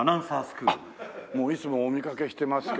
あっもういつもお見かけしてますけども。